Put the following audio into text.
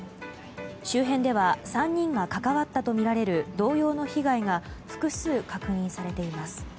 周辺では３人が関わったとみられる同様の被害が複数確認されています。